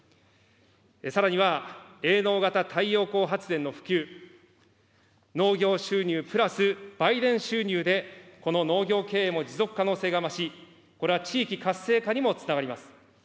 さらには、営農型太陽光発電の普及、農業収入プラス売電収入でこの農業経営も持続可能性が増し、これは地域活性化にもつながります。